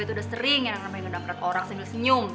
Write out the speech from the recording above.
gue tuh udah sering yang nampain ngedapret orang sambil senyum